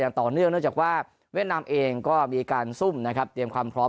ต่อเนื่องเนื่องจากว่าเวียดนามเองก็มีการซุ่มนะครับเตรียมความพร้อม